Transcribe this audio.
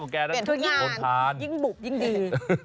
เปลี่ยนทุกอย่างยิ่งบุบยิ่งดี